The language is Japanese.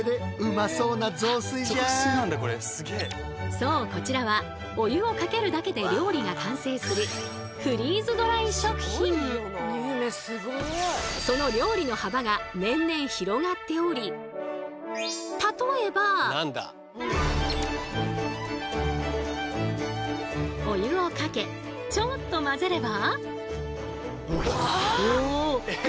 そうこちらはお湯をかけるだけで料理が完成するその料理の幅が年々広がっておりお湯をかけちょっと混ぜれば。